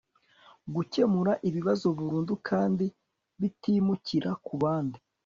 gukemura ibibazo burundu kandi bitimukira ku bandi